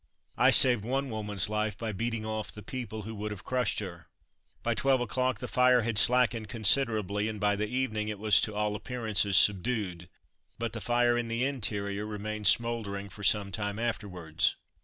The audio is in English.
I saved one woman's life by beating off the people who would have crushed her. By twelve o'clock the fire had slackened considerably, and by the evening it was to all appearance subdued. But the fire in the interior remained smouldering for some time afterwards.